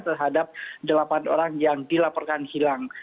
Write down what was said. terhadap delapan orang yang dilaporkan hilang